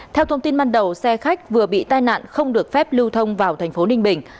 theo thông tin ban đầu xe khách vừa bị tai nạn không được phép lưu thông vào thành phố ninh bình